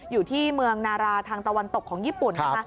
อยู่ที่เมืองนาราทางตะวันตกของญี่ปุ่นนะคะ